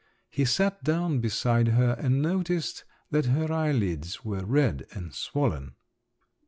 He sat down beside her, and noticed that her eyelids were red and swollen.